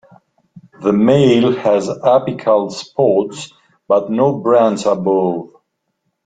The male has apical spots but no brands above.